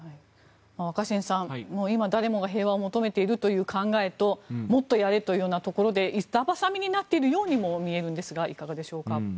若新さん、今、誰もが平和を求めているという考えともっとやれというようなところで板挟みになっているようにも見えるんですがいかがでしょうか。